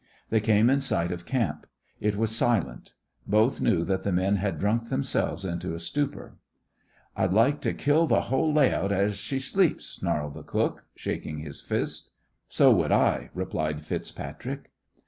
They came in sight of camp. It was silent. Both knew that the men had drunk themselves into a stupor. "I'd like t' kill th' whole lay out as she sleeps," snarled the cook, shaking his fist. "So would I," replied FitzPatrick.